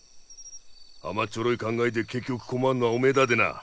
甘っちょろい考えで結局困んのはおめえだでな。